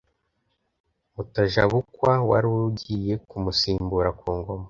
Mutajabukwa wari ugiye kumusimbura ku Ngoma,